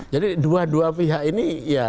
jadi dua dua pihak ini ya